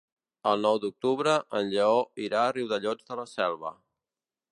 El nou d'octubre en Lleó irà a Riudellots de la Selva.